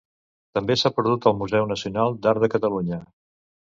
També s'ha perdut al Museu Nacional d'Art de Catalunya.